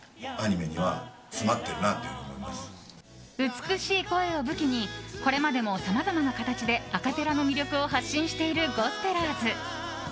美しい声を武器にこれまでも、さまざまな形でアカペラの魅力を発信しているゴスペラーズ。